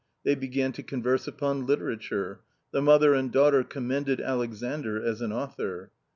They began to converse upon literature ; the mother and daughter commended Alexandr as an author.